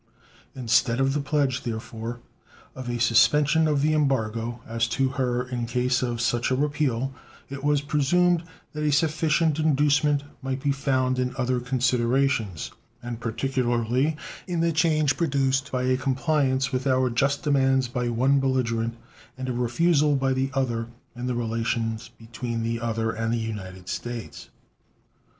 Instead of a pledge, therefore, of a suspension of the embargo as to her in case of such a repeal, it was presumed that a sufficient inducement might be found in other considerations, and particularly in the change produced by a compliance with our just demands by one belligerent and a refusal by the other in the relations between the other and the United States.